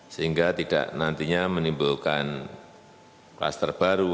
sehingga tidak nantinya menimbulkan kluster baru